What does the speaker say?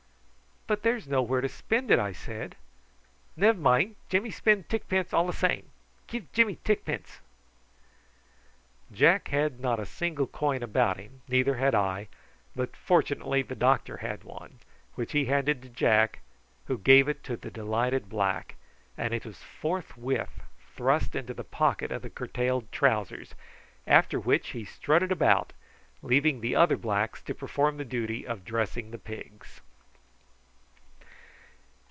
"But there's nowhere to spend it," I said. "Nev mind, Jimmy spend tickpence all a same. Give Jimmy tickpence." Jack had not a single coin about him, neither had I, but fortunately the doctor had one, which he handed to Jack, who gave it to the delighted black, and it was forthwith thrust into the pocket of the curtailed trousers, after which he strutted about, leaving the other blacks to perform the duty of dressing the pigs.